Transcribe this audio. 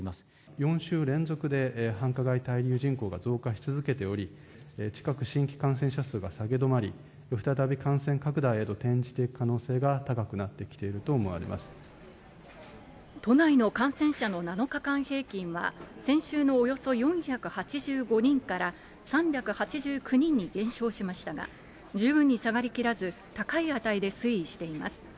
４週連続で繁華街滞留人口が増加し続けており、近く新規感染者数が下げ止まり、再び感染拡大へと転じていく可能性が高くなってきていると思われ都内の感染者の７日間平均は、先週のおよそ４８５人から３８９人に減少しましたが、十分に下がりきらず、高い値で推移しています。